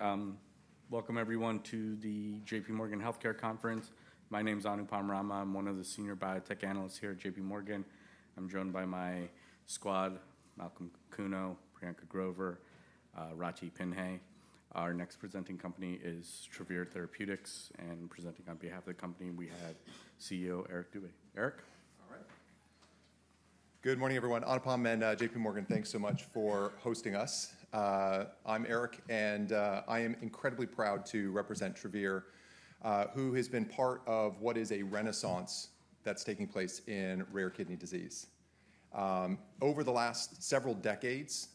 All right. Welcome, everyone, to the JPMorgan Healthcare Conference. My name is Anupam Rama. I'm one of the senior biotech analysts here at JPMorgan. I'm joined by my squad: Malcolm Kuno, Priyanka Grover, Rajeev Panhey. Our next presenting company is Travere Therapeutics, and presenting on behalf of the company, we have CEO Eric Dube. Eric? All right. Good morning, everyone. Anupam and JPMorgan, thanks so much for hosting us. I'm Eric, and I am incredibly proud to represent Travere, who has been part of what is a renaissance that's taking place in rare kidney disease. Over the last several decades,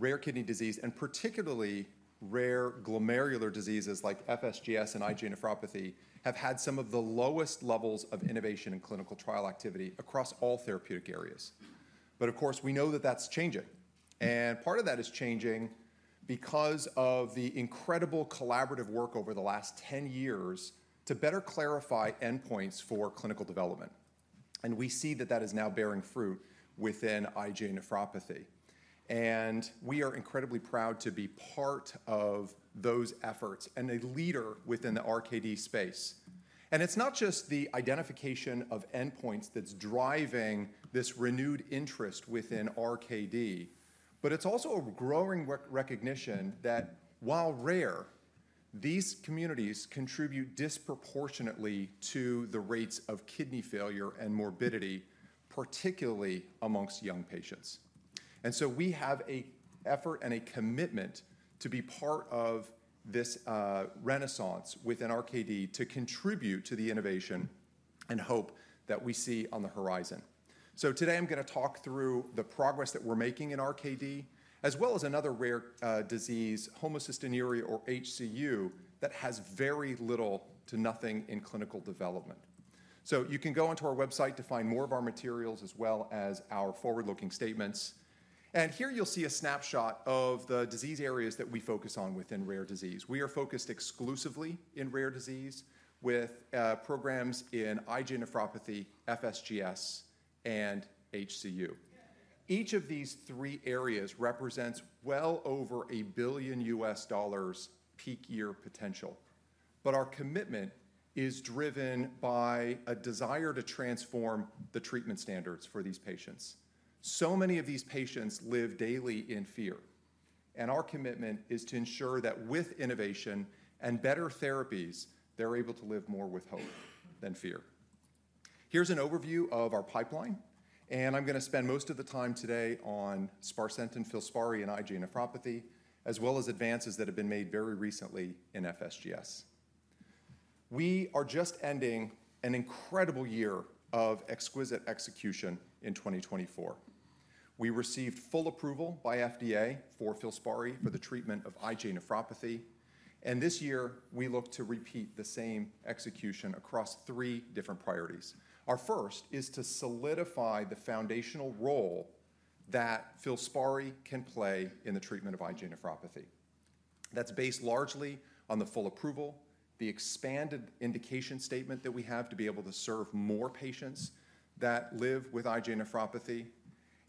rare kidney disease, and particularly rare glomerular diseases like FSGS and IgA nephropathy, have had some of the lowest levels of innovation and clinical trial activity across all therapeutic areas. But, of course, we know that that's changing. And part of that is changing because of the incredible collaborative work over the last 10 years to better clarify endpoints for clinical development. And we see that that is now bearing fruit within IgA nephropathy. And we are incredibly proud to be part of those efforts and a leader within the RKD space. And it's not just the identification of endpoints that's driving this renewed interest within RKD, but it's also a growing recognition that, while rare, these communities contribute disproportionately to the rates of kidney failure and morbidity, particularly among young patients. And so we have an effort and a commitment to be part of this renaissance within RKD to contribute to the innovation and hope that we see on the horizon. So today, I'm going to talk through the progress that we're making in RKD, as well as another rare disease, homocystinuria, or HCU, that has very little to nothing in clinical development. So you can go onto our website to find more of our materials, as well as our forward-looking statements. And here, you'll see a snapshot of the disease areas that we focus on within rare disease. We are focused exclusively in rare disease with programs in IgA nephropathy, FSGS, and HCU. Each of these three areas represents well over $1 billion peak-year potential, but our commitment is driven by a desire to transform the treatment standards for these patients. So many of these patients live daily in fear, and our commitment is to ensure that, with innovation and better therapies, they're able to live more with hope than fear. Here's an overview of our pipeline, and I'm going to spend most of the time today on sparsentan, Filspari, and IgA nephropathy, as well as advances that have been made very recently in FSGS. We are just ending an incredible year of exquisite execution in 2024. We received full approval by FDA for Filspari for the treatment of IgA nephropathy, and this year, we look to repeat the same execution across three different priorities. Our first is to solidify the foundational role that Filspari can play in the treatment of IgA nephropathy. That's based largely on the full approval, the expanded indication statement that we have to be able to serve more patients that live with IgA nephropathy.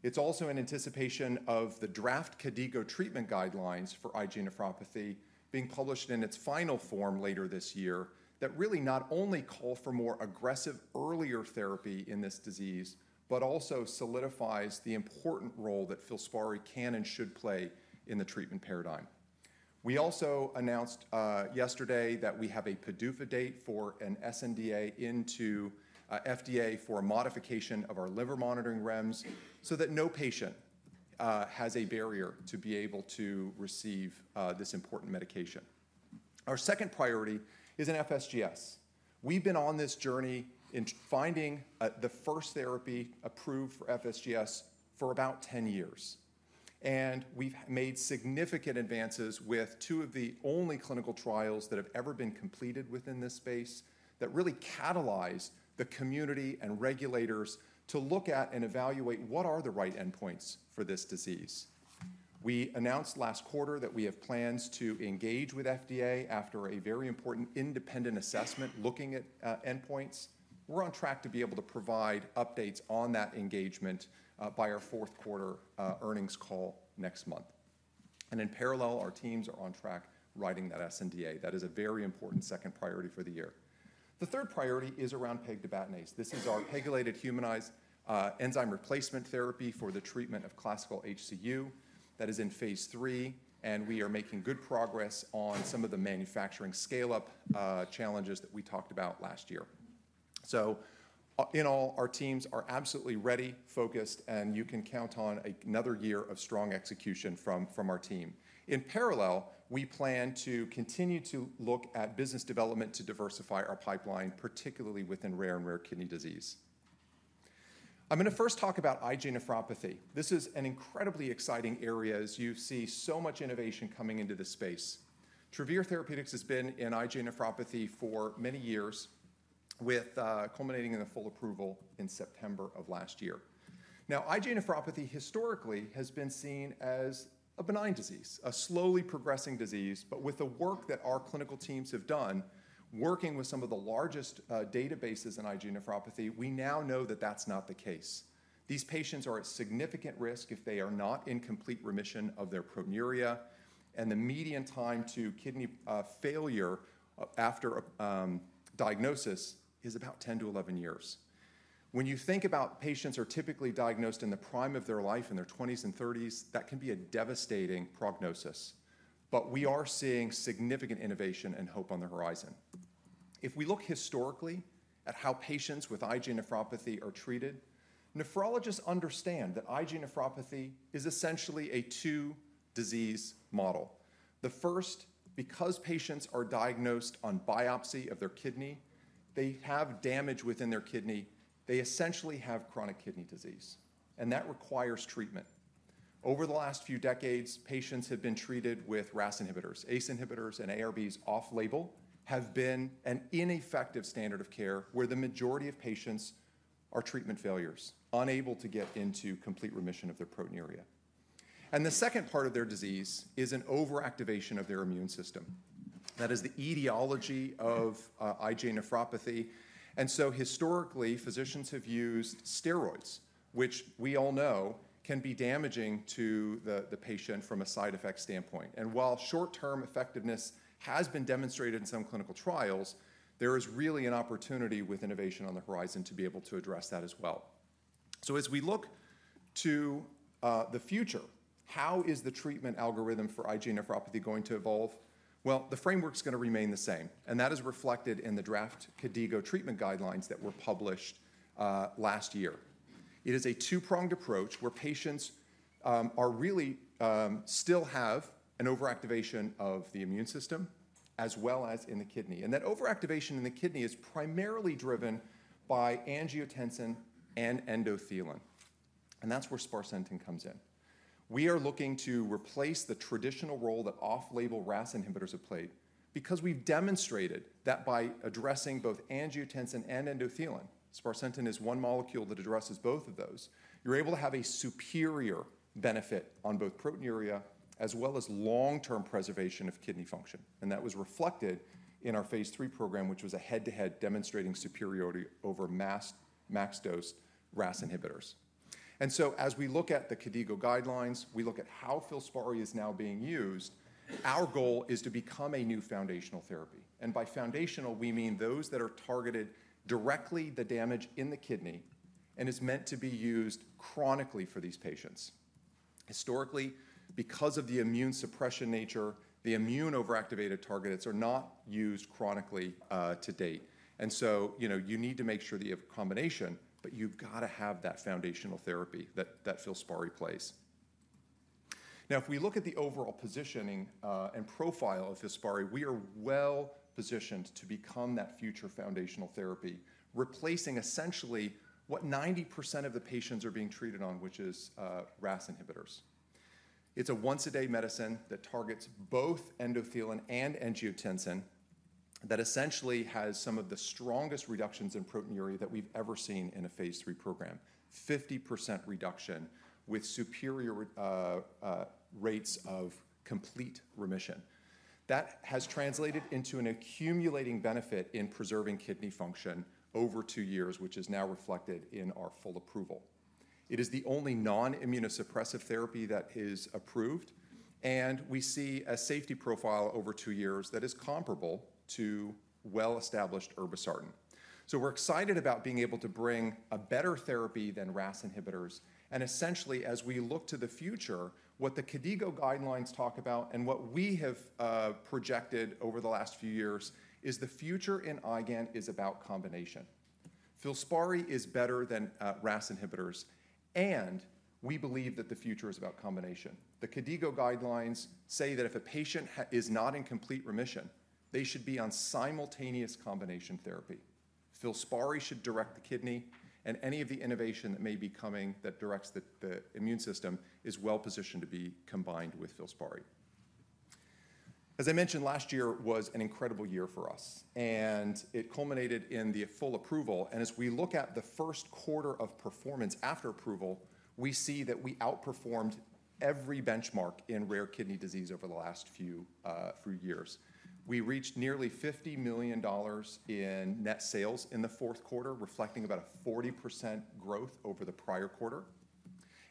It's also in anticipation of the draft KDIGO treatment guidelines for IgA nephropathy being published in its final form later this year that really not only call for more aggressive earlier therapy in this disease, but also solidifies the important role that Filspari can and should play in the treatment paradigm. We also announced yesterday that we have a PDUFA date for a sNDA to the FDA for a modification of our liver monitoring REMS so that no patient has a barrier to be able to receive this important medication. Our second priority is in FSGS. We've been on this journey in finding the first therapy approved for FSGS for about 10 years. We've made significant advances with two of the only clinical trials that have ever been completed within this space that really catalyze the community and regulators to look at and evaluate what are the right endpoints for this disease. We announced last quarter that we have plans to engage with FDA after a very important independent assessment looking at endpoints. We're on track to be able to provide updates on that engagement by our fourth quarter earnings call next month. In parallel, our teams are on track writing that sNDA. That is a very important second priority for the year. The third priority is around pegtibatinase. This is our PEGylated humanized enzyme replacement therapy for the treatment of classical HCU that is in phase three. We are making good progress on some of the manufacturing scale-up challenges that we talked about last year. In all, our teams are absolutely ready, focused, and you can count on another year of strong execution from our team. In parallel, we plan to continue to look at business development to diversify our pipeline, particularly within rare and rare kidney disease. I'm going to first talk about IgA nephropathy. This is an incredibly exciting area as you see so much innovation coming into this space. Travere Therapeutics has been in IgA nephropathy for many years, culminating in the full approval in September of last year. Now, IgA nephropathy historically has been seen as a benign disease, a slowly progressing disease, but with the work that our clinical teams have done, working with some of the largest databases in IgA nephropathy, we now know that that's not the case. These patients are at significant risk if they are not in complete remission of their proteinuria, and the median time to kidney failure after diagnosis is about 10 to 11 years. When you think about patients who are typically diagnosed in the prime of their life, in their 20s and 30s, that can be a devastating prognosis, but we are seeing significant innovation and hope on the horizon. If we look historically at how patients with IgA nephropathy are treated, nephrologists understand that IgA nephropathy is essentially a two-disease model. The first, because patients are diagnosed on biopsy of their kidney, they have damage within their kidney. They essentially have chronic kidney disease, and that requires treatment. Over the last few decades, patients have been treated with RAS inhibitors. ACE inhibitors and ARBs off-label have been an ineffective standard of care where the majority of patients are treatment failures, unable to get into complete remission of their proteinuria, and the second part of their disease is an overactivation of their immune system. That is the etiology of IgA nephropathy, and so historically, physicians have used steroids, which we all know can be damaging to the patient from a side effect standpoint, and while short-term effectiveness has been demonstrated in some clinical trials, there is really an opportunity with innovation on the horizon to be able to address that as well, so as we look to the future, how is the treatment algorithm for IgA nephropathy going to evolve? Well, the framework is going to remain the same, and that is reflected in the draft KDIGO treatment guidelines that were published last year. It is a two-pronged approach where patients really still have an overactivation of the immune system as well as in the kidney. And that overactivation in the kidney is primarily driven by angiotensin and endothelin. And that's where sparsentan comes in. We are looking to replace the traditional role that off-label RAS inhibitors have played because we've demonstrated that by addressing both angiotensin and endothelin, sparsentan is one molecule that addresses both of those, you're able to have a superior benefit on both proteinuria as well as long-term preservation of kidney function. And that was reflected in our phase three program, which was a head-to-head demonstrating superiority over max dose RAS inhibitors. And so as we look at the KDIGO guidelines, we look at how Filspari is now being used. Our goal is to become a new foundational therapy. By foundational, we mean those that are targeted directly the damage in the kidney and is meant to be used chronically for these patients. Historically, because of the immune suppression nature, the immune overactivated targets are not used chronically to date. And so you need to make sure that you have a combination, but you've got to have that foundational therapy that Filspari plays. Now, if we look at the overall positioning and profile of Filspari, we are well positioned to become that future foundational therapy, replacing essentially what 90% of the patients are being treated on, which is RAS inhibitors. It's a once-a-day medicine that targets both endothelin and angiotensin that essentially has some of the strongest reductions in proteinuria that we've ever seen in a phase three program, 50% reduction with superior rates of complete remission. That has translated into an accumulating benefit in preserving kidney function over two years, which is now reflected in our full approval. It is the only non-immunosuppressive therapy that is approved. And we see a safety profile over two years that is comparable to well-established irbesartan. So we're excited about being able to bring a better therapy than RAS inhibitors. And essentially, as we look to the future, what the KDIGO guidelines talk about and what we have projected over the last few years is the future in IgAN is about combination. Filspari is better than RAS inhibitors. And we believe that the future is about combination. The KDIGO guidelines say that if a patient is not in complete remission, they should be on simultaneous combination therapy. Filspari should direct the kidney. Any of the innovation that may be coming that directs the immune system is well positioned to be combined with Filspari. As I mentioned, last year was an incredible year for us. And it culminated in the full approval. And as we look at the first quarter of performance after approval, we see that we outperformed every benchmark in rare kidney disease over the last few years. We reached nearly $50 million in net sales in the fourth quarter, reflecting about a 40% growth over the prior quarter.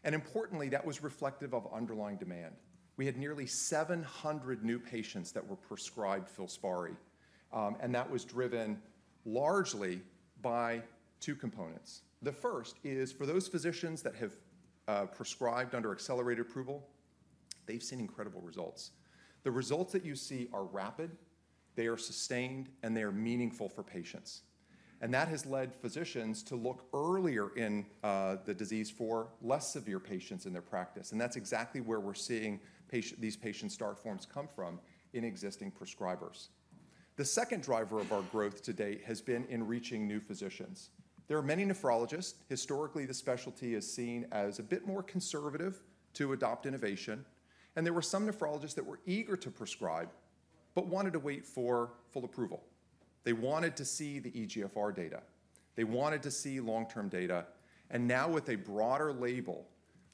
And importantly, that was reflective of underlying demand. We had nearly 700 new patients that were prescribed Filspari. And that was driven largely by two components. The first is for those physicians that have prescribed under accelerated approval, they've seen incredible results. The results that you see are rapid. They are sustained, and they are meaningful for patients. That has led physicians to look earlier in the disease for less severe patients in their practice. And that's exactly where we're seeing these patient start forms come from in existing prescribers. The second driver of our growth to date has been in reaching new physicians. There are many nephrologists. Historically, the specialty is seen as a bit more conservative to adopt innovation. And there were some nephrologists that were eager to prescribe but wanted to wait for full approval. They wanted to see the eGFR data. They wanted to see long-term data. And now, with a broader label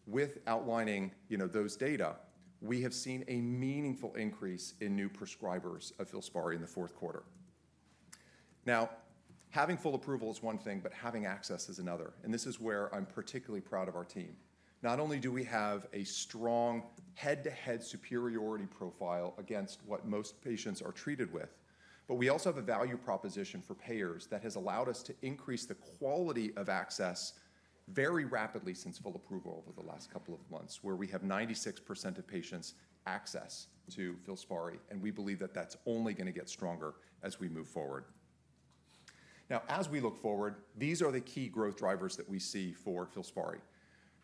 with outlining those data, we have seen a meaningful increase in new prescribers of Filspari in the fourth quarter. Now, having full approval is one thing, but having access is another. And this is where I'm particularly proud of our team. Not only do we have a strong head-to-head superiority profile against what most patients are treated with, but we also have a value proposition for payers that has allowed us to increase the quality of access very rapidly since full approval over the last couple of months, where we have 96% of patients access to Filspari. And we believe that that's only going to get stronger as we move forward. Now, as we look forward, these are the key growth drivers that we see for Filspari.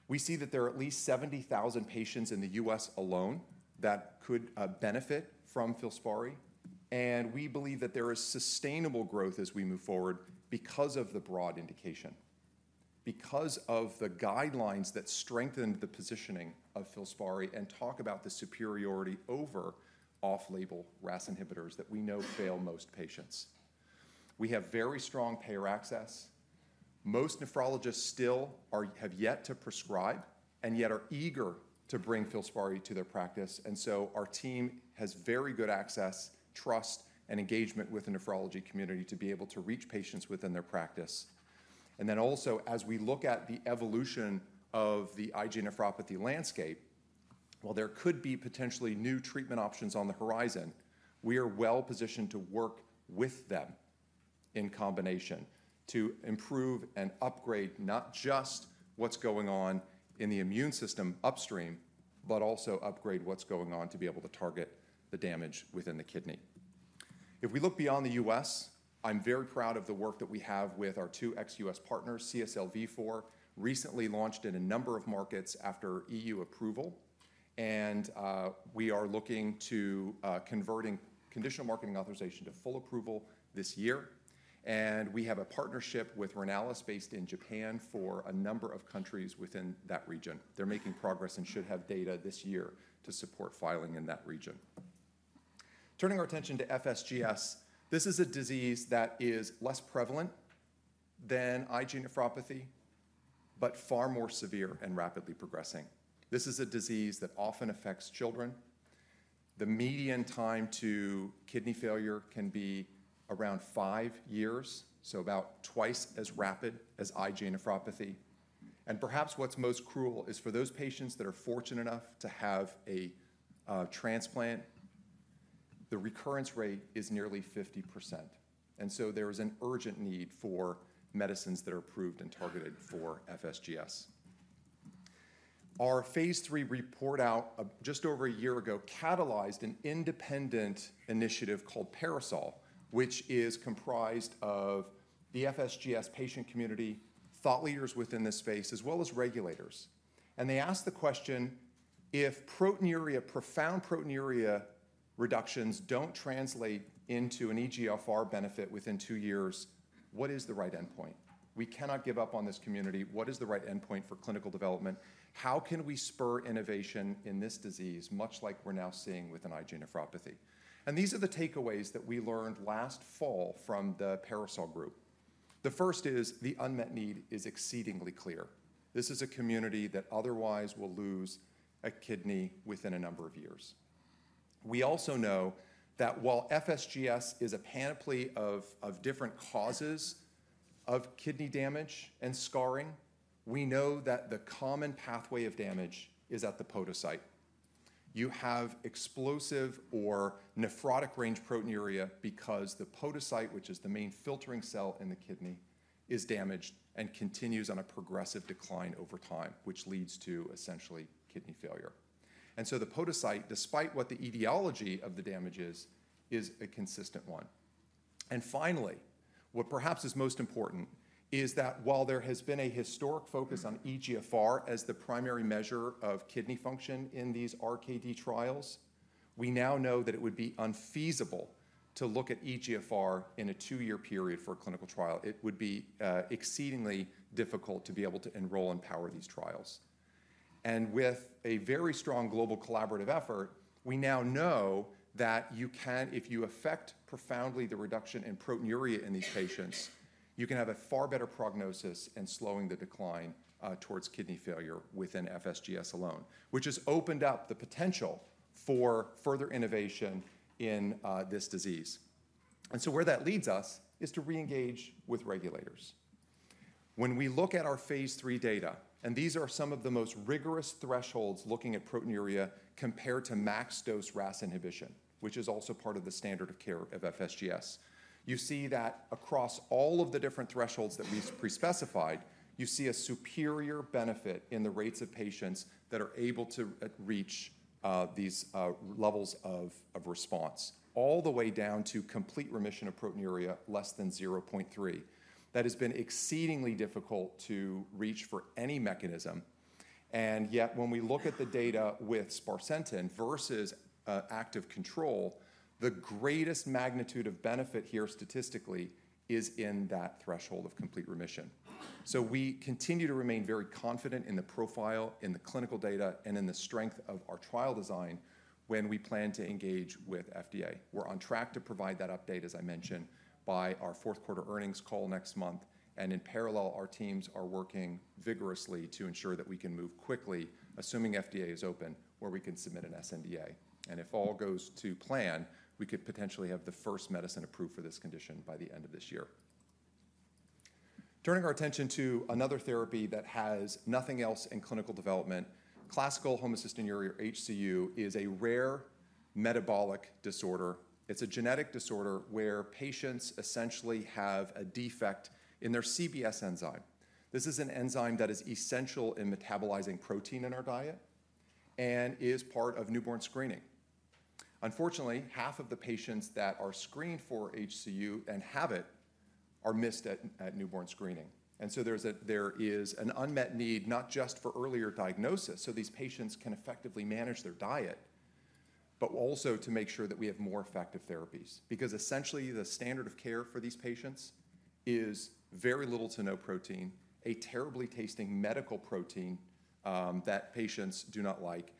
We see that there are at least 70,000 patients in the U.S. alone that could benefit from Filspari. And we believe that there is sustainable growth as we move forward because of the broad indication, because of the guidelines that strengthened the positioning of Filspari and talk about the superiority over off-label RAS inhibitors that we know fail most patients. We have very strong payer access. Most nephrologists still have yet to prescribe and yet are eager to bring Filspari to their practice. And so our team has very good access, trust, and engagement with the nephrology community to be able to reach patients within their practice. And then also, as we look at the evolution of the IgA nephropathy landscape, while there could be potentially new treatment options on the horizon, we are well positioned to work with them in combination to improve and upgrade not just what's going on in the immune system upstream, but also upgrade what's going on to be able to target the damage within the kidney. If we look beyond the U.S., I'm very proud of the work that we have with our two ex-U.S. partners. CSL Vifor recently launched in a number of markets after EU approval. We are looking to converting conditional marketing authorization to full approval this year. We have a partnership with Renalys based in Japan for a number of countries within that region. They're making progress and should have data this year to support filing in that region. Turning our attention to FSGS, this is a disease that is less prevalent than IgA nephropathy, but far more severe and rapidly progressing. This is a disease that often affects children. The median time to kidney failure can be around five years, so about twice as rapid as IgA nephropathy. Perhaps what's most cruel is for those patients that are fortunate enough to have a transplant, the recurrence rate is nearly 50%. There is an urgent need for medicines that are approved and targeted for FSGS. Our phase three report out just over a year ago catalyzed an independent initiative called PARASOL, which is comprised of the FSGS patient community, thought leaders within this space, as well as regulators. And they asked the question, if profound proteinuria reductions don't translate into an eGFR benefit within two years, what is the right endpoint? We cannot give up on this community. What is the right endpoint for clinical development? How can we spur innovation in this disease, much like we're now seeing with an IgA nephropathy? And these are the takeaways that we learned last fall from the PARASOL group. The first is the unmet need is exceedingly clear. This is a community that otherwise will lose a kidney within a number of years. We also know that while FSGS is a panoply of different causes of kidney damage and scarring, we know that the common pathway of damage is at the podocyte. You have explosive or nephrotic-range proteinuria because the podocyte, which is the main filtering cell in the kidney, is damaged and continues on a progressive decline over time, which leads to essentially kidney failure. And so the podocyte, despite what the etiology of the damage is, is a consistent one. And finally, what perhaps is most important is that while there has been a historic focus on eGFR as the primary measure of kidney function in these RKD trials, we now know that it would be unfeasible to look at eGFR in a two-year period for a clinical trial. It would be exceedingly difficult to be able to enroll and power these trials. With a very strong global collaborative effort, we now know that if you affect profoundly the reduction in proteinuria in these patients, you can have a far better prognosis in slowing the decline towards kidney failure within FSGS alone, which has opened up the potential for further innovation in this disease. Where that leads us is to reengage with regulators. When we look at our phase three data, and these are some of the most rigorous thresholds looking at proteinuria compared to max dose RAS inhibition, which is also part of the standard of care of FSGS, you see that across all of the different thresholds that we pre-specified, you see a superior benefit in the rates of patients that are able to reach these levels of response all the way down to complete remission of proteinuria, less than 0.3. That has been exceedingly difficult to reach for any mechanism. And yet, when we look at the data with sparsentan versus active control, the greatest magnitude of benefit here statistically is in that threshold of complete remission. So we continue to remain very confident in the profile, in the clinical data, and in the strength of our trial design when we plan to engage with FDA. We're on track to provide that update, as I mentioned, by our fourth quarter earnings call next month. And in parallel, our teams are working vigorously to ensure that we can move quickly, assuming FDA is open, where we can submit an sNDA. And if all goes to plan, we could potentially have the first medicine approved for this condition by the end of this year. Turning our attention to another therapy that has nothing else in clinical development, classical homocystinuria or HCU is a rare metabolic disorder. It's a genetic disorder where patients essentially have a defect in their CBS enzyme. This is an enzyme that is essential in metabolizing protein in our diet and is part of newborn screening. Unfortunately, half of the patients that are screened for HCU and have it are missed at newborn screening, and so there is an unmet need not just for earlier diagnosis so these patients can effectively manage their diet, but also to make sure that we have more effective therapies. Because essentially, the standard of care for these patients is very little to no protein, a terribly tasting medical protein that patients do not like,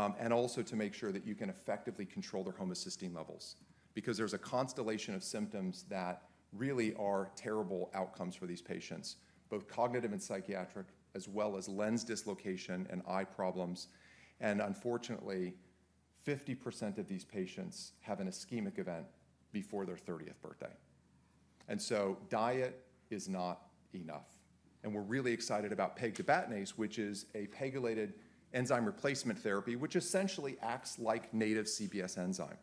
and also to make sure that you can effectively control their homocysteine levels. Because there's a constellation of symptoms that really are terrible outcomes for these patients, both cognitive and psychiatric, as well as lens dislocation and eye problems. Unfortunately, 50% of these patients have an ischemic event before their 30th birthday. So diet is not enough. We're really excited about pegtibatinase, which is a PEGylated enzyme replacement therapy, which essentially acts like native CBS enzyme.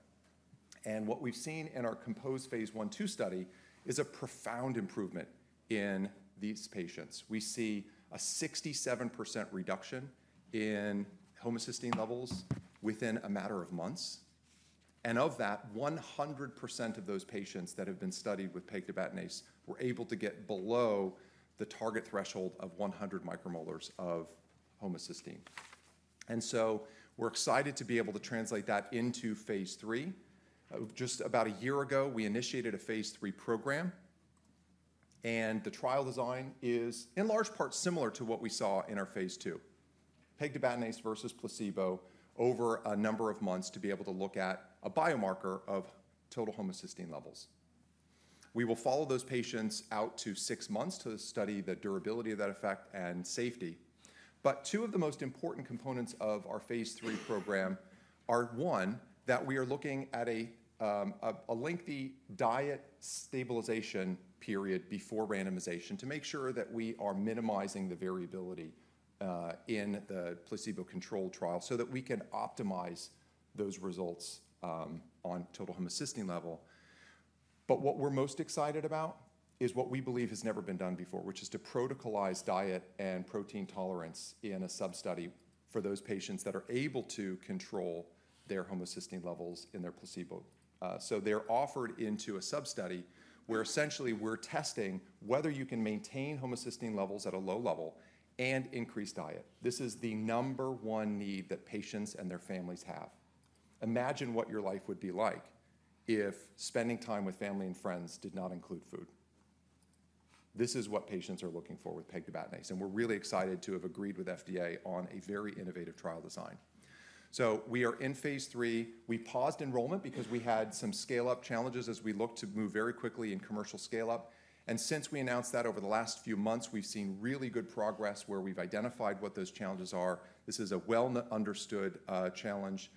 What we've seen in our completed phase 1/2 study is a profound improvement in these patients. We see a 67% reduction in homocysteine levels within a matter of months. Of that, 100% of those patients that have been studied with pegtibatinase were able to get below the target threshold of 100 micromolars of homocysteine. We're excited to be able to translate that into phase 3. Just about a year ago, we initiated a phase 3 program. The trial design is, in large part, similar to what we saw in our phase 2 pegtibatinase versus placebo over a number of months to be able to look at a biomarker of total homocysteine levels. We will follow those patients out to six months to study the durability of that effect and safety. Two of the most important components of our phase 3 program are, one, that we are looking at a lengthy diet stabilization period before randomization to make sure that we are minimizing the variability in the placebo-controlled trial so that we can optimize those results on total homocysteine level. What we're most excited about is what we believe has never been done before, which is to protocolize diet and protein tolerance in a sub-study for those patients that are able to control their homocysteine levels in their placebo. So they're offered into a sub-study where essentially we're testing whether you can maintain homocysteine levels at a low level and increase diet. This is the number one need that patients and their families have. Imagine what your life would be like if spending time with family and friends did not include food. This is what patients are looking for with pegtibatinase. And we're really excited to have agreed with FDA on a very innovative trial design. So we are in phase three. We paused enrollment because we had some scale-up challenges as we looked to move very quickly in commercial scale-up. And since we announced that over the last few months, we've seen really good progress where we've identified what those challenges are. This is a well-understood challenge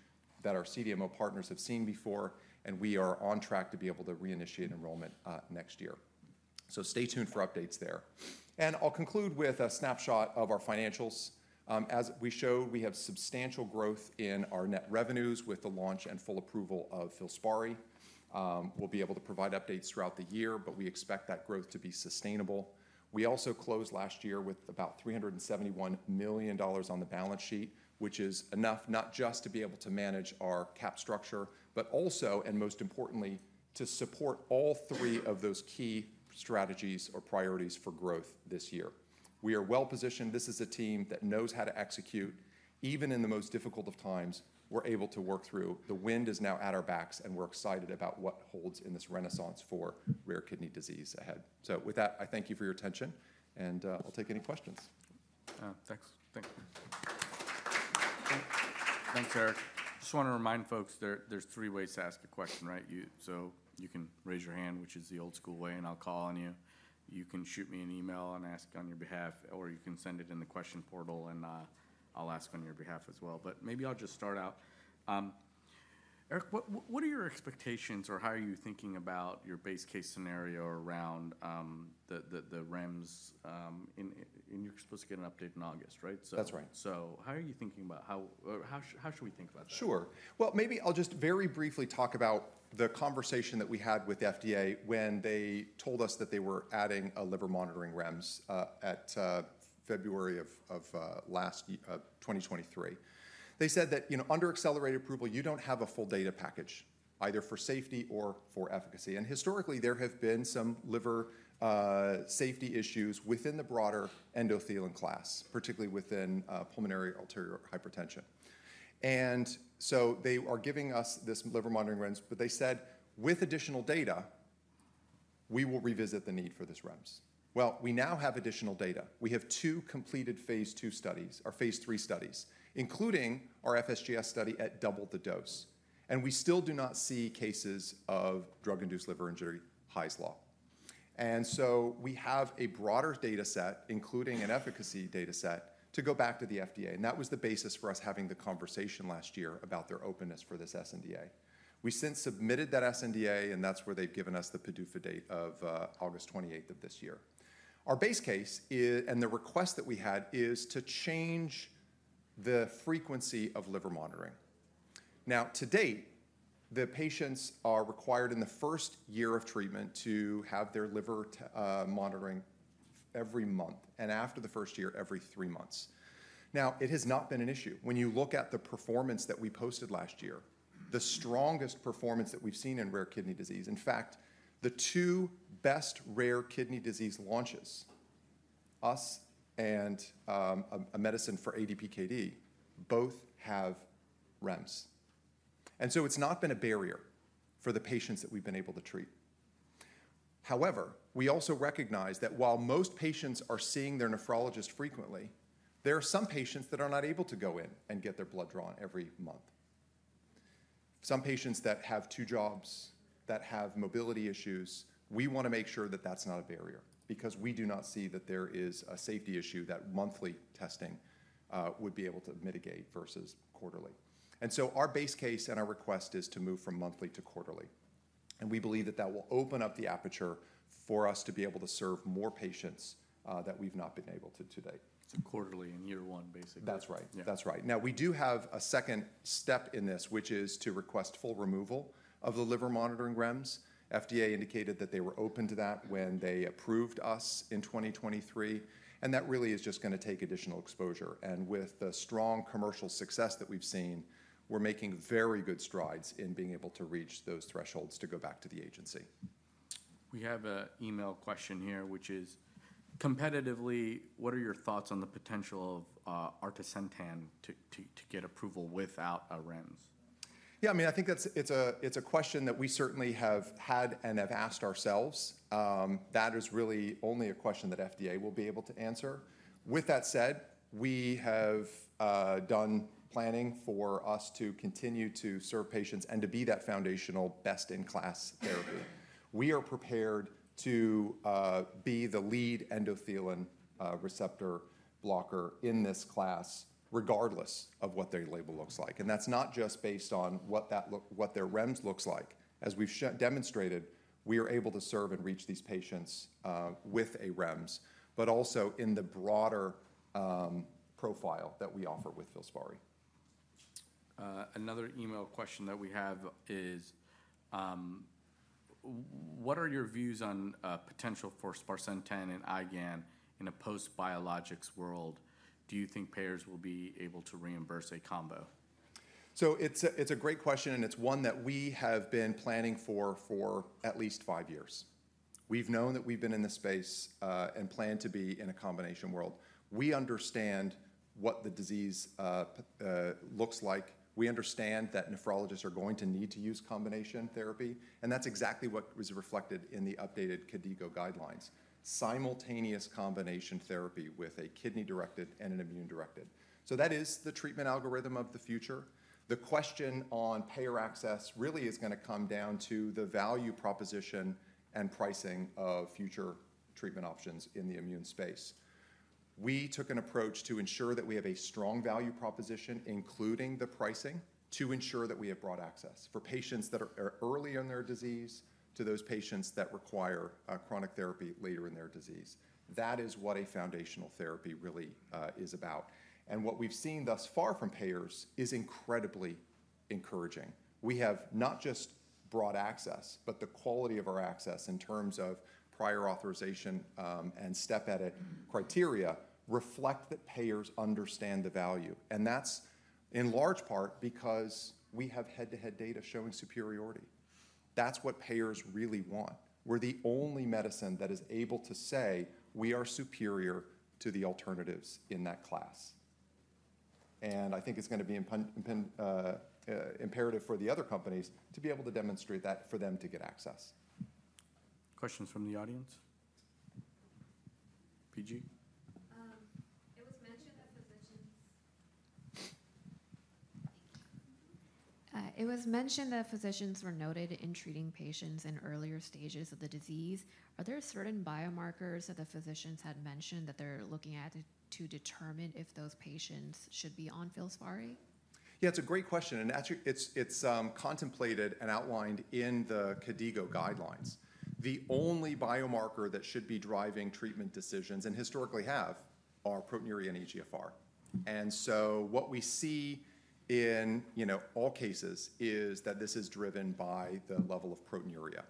that our CDMO partners have seen before. And we are on track to be able to reinitiate enrollment next year. So stay tuned for updates there. And I'll conclude with a snapshot of our financials. As we show, we have substantial growth in our net revenues with the launch and full approval of Filspari. We'll be able to provide updates throughout the year, but we expect that growth to be sustainable. We also closed last year with about $371 million on the balance sheet, which is enough not just to be able to manage our cap structure, but also, and most importantly, to support all three of those key strategies or priorities for growth this year. We are well positioned. This is a team that knows how to execute. Even in the most difficult of times, we're able to work through. The wind is now at our backs, and we're excited about what holds in this renaissance for rare kidney disease ahead. So with that, I thank you for your attention, and I'll take any questions. Thanks. Thank you. Thanks, Eric. I just want to remind folks there's three ways to ask a question, right? So you can raise your hand, which is the old-school way, and I'll call on you. You can shoot me an email and ask on your behalf, or you can send it in the question portal, and I'll ask on your behalf as well. But maybe I'll just start out. Eric, what are your expectations, or how are you thinking about your base case scenario around the REMS? And you're supposed to get an update in August, right? That's right. How are you thinking about how should we think about that? Sure. Maybe I'll just very briefly talk about the conversation that we had with FDA when they told us that they were adding a liver monitoring REMS in February 2023. They said that under accelerated approval, you don't have a full data package, either for safety or for efficacy, and historically, there have been some liver safety issues within the broader endothelin class, particularly within pulmonary arterial hypertension, and so they are giving us this liver monitoring REMS, but they said, with additional data, we will revisit the need for this REMS. We now have additional data. We have two completed phase two studies, or phase three studies, including our FSGS study at double the dose, and we still do not see cases of drug-induced liver injury, Hy's Law. And so we have a broader data set, including an efficacy data set, to go back to the FDA. And that was the basis for us having the conversation last year about their openness for this sNDA. We since submitted that sNDA, and that's where they've given us the PDUFA date of August 28th of this year. Our base case and the request that we had is to change the frequency of liver monitoring. Now, to date, the patients are required in the first year of treatment to have their liver monitoring every month, and after the first year, every three months. Now, it has not been an issue. When you look at the performance that we posted last year, the strongest performance that we've seen in rare kidney disease, in fact, the two best rare kidney disease launches, us and a medicine for ADPKD, both have REMS. And so it's not been a barrier for the patients that we've been able to treat. However, we also recognize that while most patients are seeing their nephrologist frequently, there are some patients that are not able to go in and get their blood drawn every month. Some patients that have two jobs, that have mobility issues, we want to make sure that that's not a barrier because we do not see that there is a safety issue that monthly testing would be able to mitigate versus quarterly. And so our base case and our request is to move from monthly to quarterly. And we believe that that will open up the aperture for us to be able to serve more patients that we've not been able to date. So quarterly in year one, basically. That's right. That's right. Now, we do have a second step in this, which is to request full removal of the liver monitoring REMS. FDA indicated that they were open to that when they approved us in 2023. And that really is just going to take additional exposure. And with the strong commercial success that we've seen, we're making very good strides in being able to reach those thresholds to go back to the agency. We have an email question here, which is, competitively, what are your thoughts on the potential of atrasentan to get approval without a REMS? Yeah, I mean, I think it's a question that we certainly have had and have asked ourselves. That is really only a question that FDA will be able to answer. With that said, we have done planning for us to continue to serve patients and to be that foundational best-in-class therapy. We are prepared to be the lead endothelin receptor blocker in this class, regardless of what their label looks like. And that's not just based on what their REMS looks like. As we've demonstrated, we are able to serve and reach these patients with a REMS, but also in the broader profile that we offer with Filspari. Another email question that we have is, what are your views on potential for sparsentan and IgAN in a post-biologics world? Do you think payers will be able to reimburse a combo? It's a great question, and it's one that we have been planning for at least five years. We've known that we've been in this space and plan to be in a combination world. We understand what the disease looks like. We understand that nephrologists are going to need to use combination therapy. That's exactly what was reflected in the updated KDIGO guidelines: simultaneous combination therapy with a kidney-directed and an immune-directed. That is the treatment algorithm of the future. The question on payer access really is going to come down to the value proposition and pricing of future treatment options in the immune space. We took an approach to ensure that we have a strong value proposition, including the pricing, to ensure that we have broad access for patients that are early in their disease to those patients that require chronic therapy later in their disease. That is what a foundational therapy really is about. And what we've seen thus far from payers is incredibly encouraging. We have not just broad access, but the quality of our access in terms of prior authorization and step edit criteria reflect that payers understand the value. And that's in large part because we have head-to-head data showing superiority. That's what payers really want. We're the only medicine that is able to say we are superior to the alternatives in that class. And I think it's going to be imperative for the other companies to be able to demonstrate that for them to get access. Questions from the audience? PG? It was mentioned that physicians, thank you. It was mentioned that physicians were noted in treating patients in earlier stages of the disease. Are there certain biomarkers that the physicians had mentioned that they're looking at to determine if those patients should be on Filspari? Yeah, it's a great question. And it's contemplated and outlined in the KDIGO guidelines. The only biomarker that should be driving treatment decisions, and historically have, are proteinuria and eGFR. And so what we see in all cases is that this is driven by the level of proteinuria.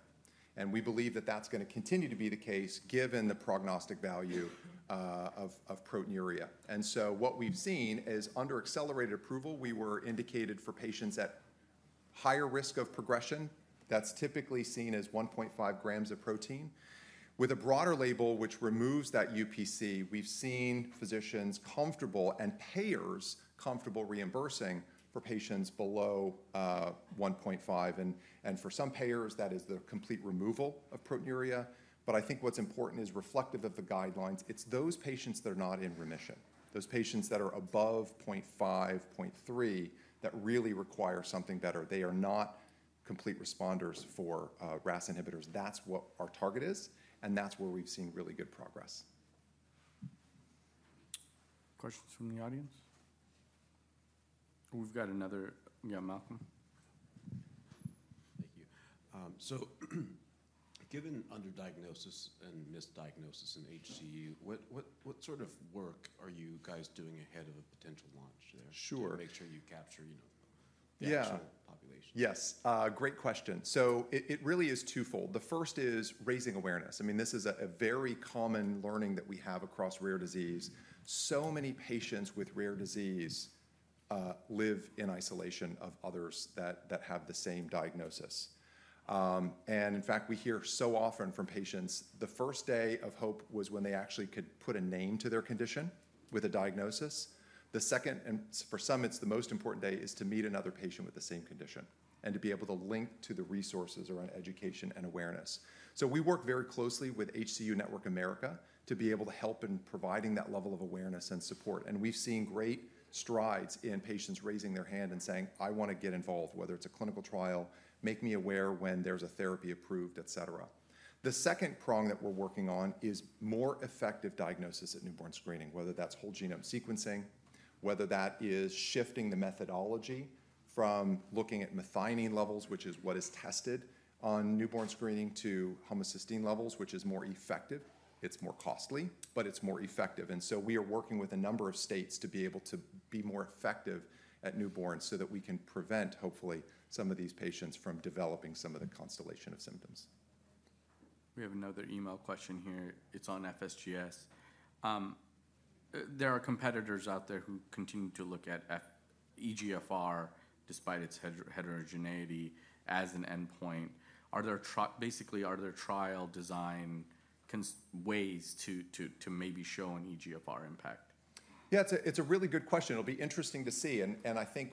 And we believe that that's going to continue to be the case given the prognostic value of proteinuria. And so what we've seen is under accelerated approval, we were indicated for patients at higher risk of progression. That's typically seen as 1.5 grams of protein. With a broader label, which removes that UPC, we've seen physicians comfortable and payers comfortable reimbursing for patients below 1.5. And for some payers, that is the complete removal of proteinuria. But I think what's important is reflective of the guidelines. It's those patients that are not in remission, those patients that are above 0.5, 0.3 that really require something better. They are not complete responders for RAS inhibitors. That's what our target is, and that's where we've seen really good progress. Questions from the audience? We've got another yeah, Malcolm. Thank you. So given underdiagnosis and misdiagnosis in HCU, what sort of work are you guys doing ahead of a potential launch there to make sure you capture the actual population? Yeah. Yes. Great question, so it really is twofold. The first is raising awareness. I mean, this is a very common learning that we have across rare disease. So many patients with rare disease live in isolation of others that have the same diagnosis. And in fact, we hear so often from patients, the first day of hope was when they actually could put a name to their condition with a diagnosis. The second, and for some, it's the most important day, is to meet another patient with the same condition and to be able to link to the resources around education and awareness. So we work very closely with HCU Network America to be able to help in providing that level of awareness and support. We've seen great strides in patients raising their hand and saying, "I want to get involved," whether it's a clinical trial, "make me aware when there's a therapy approved," et cetera. The second prong that we're working on is more effective diagnosis at newborn screening, whether that's whole genome sequencing, whether that is shifting the methodology from looking at methionine levels, which is what is tested on newborn screening, to homocysteine levels, which is more effective. It's more costly, but it's more effective. And so we are working with a number of states to be able to be more effective at newborns so that we can prevent, hopefully, some of these patients from developing some of the constellation of symptoms. We have another email question here. It's on FSGS. There are competitors out there who continue to look at eGFR, despite its heterogeneity, as an endpoint. Basically, are there trial design ways to maybe show an eGFR impact? Yeah, it's a really good question. It'll be interesting to see. And I think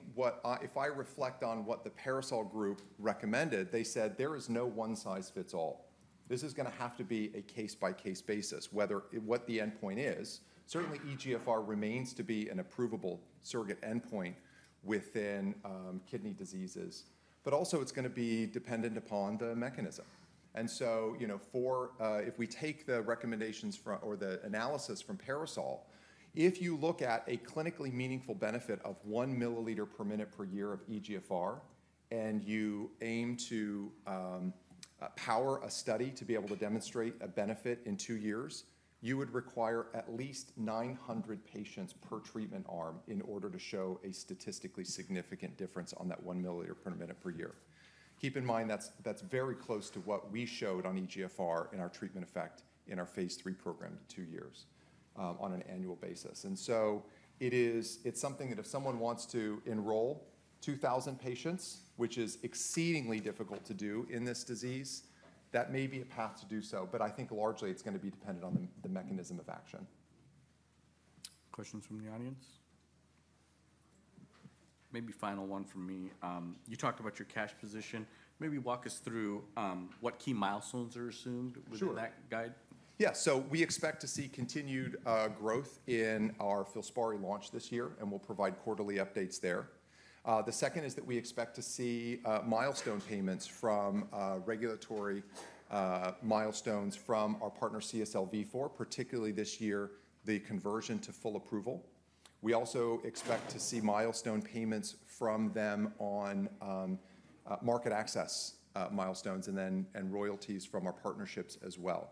if I reflect on what the PARASOL group recommended, they said, "There is no one-size-fits-all." This is going to have to be a case-by-case basis, whether what the endpoint is. Certainly, eGFR remains to be an approvable surrogate endpoint within kidney diseases, but also it's going to be dependent upon the mechanism. And so if we take the recommendations or the analysis from PARASOL, if you look at a clinically meaningful benefit of one milliliter per minute per year of eGFR, and you aim to power a study to be able to demonstrate a benefit in two years, you would require at least 900 patients per treatment arm in order to show a statistically significant difference on that one milliliter per minute per year. Keep in mind, that's very close to what we showed on eGFR in our treatment effect in our phase 3 program two years on an annual basis, and so it's something that if someone wants to enroll 2,000 patients, which is exceedingly difficult to do in this disease, that may be a path to do so, but I think largely it's going to be dependent on the mechanism of action. Questions from the audience? Maybe final one from me. You talked about your cash position. Maybe walk us through what key milestones are assumed within that guide. Yeah. So we expect to see continued growth in our Filspari launch this year, and we'll provide quarterly updates there. The second is that we expect to see milestone payments from regulatory milestones from our partner CSL Vifor, particularly this year, the conversion to full approval. We also expect to see milestone payments from them on market access milestones and royalties from our partnerships as well.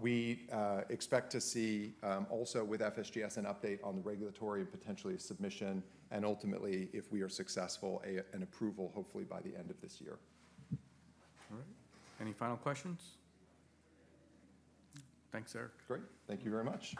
We expect to see also with FSGS an update on the regulatory and potentially a submission, and ultimately, if we are successful, an approval hopefully by the end of this year. All right. Any final questions? Thanks, Eric. Great. Thank you very much.